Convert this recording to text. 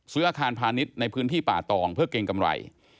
อาคารพาณิชย์ในพื้นที่ป่าตองเพื่อเกรงกำไร